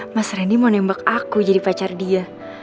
mas rendy mau nembak aku jadi pacar dia